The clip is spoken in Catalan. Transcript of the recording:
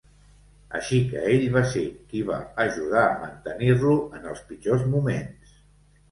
Així que ell va ser qui va ajudar a mantenir-lo en els pitjors moments.